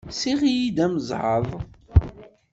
Ssiɣ-iyi-d amezɛaḍ.